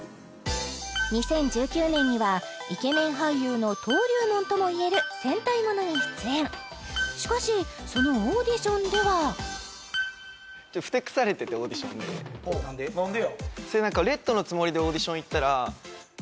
２０１９年にはイケメン俳優の登竜門ともいえる戦隊ものに出演しかしそのオーディションではなんで？